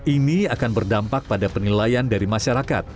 ini akan berdampak pada penilaian dari masyarakat